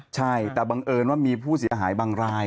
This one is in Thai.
ใช่แต่บังเอิญว่ามีผู้เสียหายบางราย